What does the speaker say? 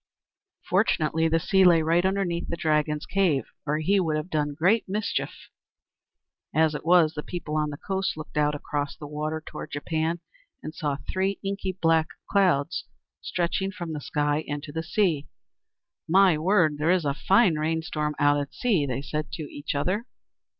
Fortunately, the sea lay right underneath the Dragon's cave, or he would have done great mischief. As it was, the people on the coast looked out across the water toward Japan, and saw three inky black clouds stretching from the sky into the sea. "My word! There is a fine rain storm out at sea!" they said to each other.